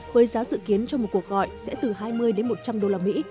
với giá dự kiến cho một cuộc gọi sẽ từ hai mươi đến một trăm linh đô la mỹ